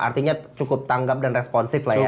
artinya cukup tanggap dan responsif lah ya